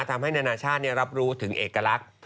ทำให้นานาชาติรับรู้ถึงเอกลักษณ์